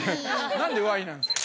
◆何で、ワイなんですか。